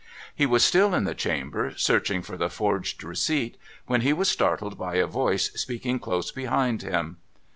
He was still in the chamber, searching for the forged receipt, when he was startled by a voice speaking close behind him.